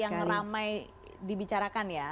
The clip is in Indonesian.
yang ramai dibicarakan ya